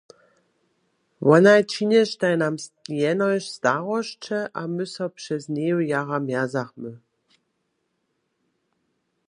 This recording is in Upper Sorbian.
Wonaj činještaj nam jenož starosće a my so přez njeju jara mjerzachmy.